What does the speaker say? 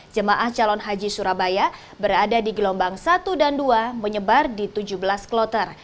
jemaah calon haji surabaya berada di gelombang satu dan dua menyebar di tujuh belas kloter